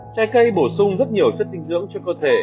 trái cây bổ sung rất nhiều chất dinh dưỡng trên cơ thể